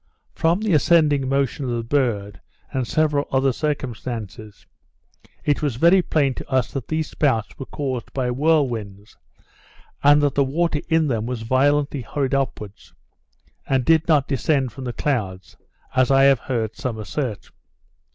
From the ascending motion of the bird, and several other circumstances, it was very plain to us that these spouts were caused by whirlwinds, and that the water in them was violently hurried upwards, and did not descend from the clouds as I have heard some assert.